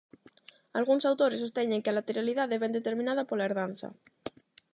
Algúns autores sosteñen que a lateralidade vén determinada pola herdanza.